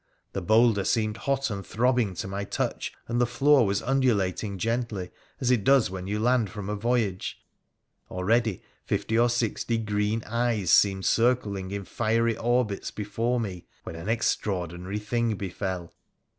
The boulder seemed hot and throbbing to my touch, and the floor was undulating gently, as it does when you land from a voyage ; already fifty or sixty green eyes seemed circling in fiery orbits before me, when an extraordinary thing befell.